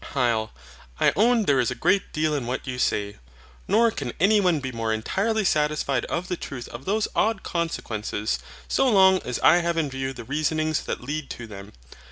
HYL. I own there is a great deal in what you say. Nor can any one be more entirely satisfied of the truth of those odd consequences, so long as I have in view the reasonings that lead to them.